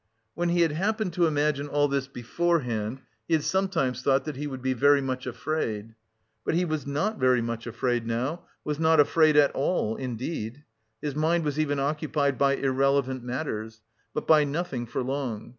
When he had happened to imagine all this beforehand, he had sometimes thought that he would be very much afraid. But he was not very much afraid now, was not afraid at all, indeed. His mind was even occupied by irrelevant matters, but by nothing for long.